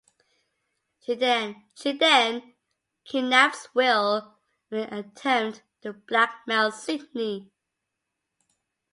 She then kidnaps Will in an attempt to blackmail Sydney.